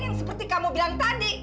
yang seperti kamu bilang tadi